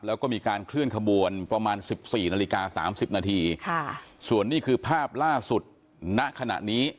แล้วก็มีการเคลื่อนขบวนประมาณสิบสี่นาฬิกาสามสิบนาทีค่ะส่วนนี้คือภาพล่าสุดณขณะนี้